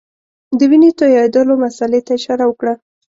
د وینو تویېدلو مسلې ته اشاره وکړه.